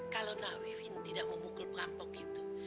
kalau nak iwin tidak memukul perampok itu